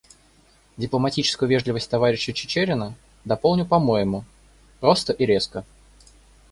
Дипломатическую вежливость товарища Чичерина дополню по-моему — просто и резко.